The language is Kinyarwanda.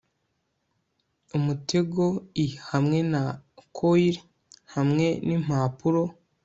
umutego i hamwe na coil hamwe nimpapuro